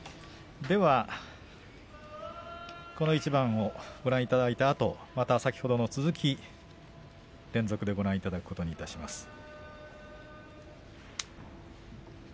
では、この一番をご覧いただいたあとまた先ほどの続きを連続で取組をご覧いただきます。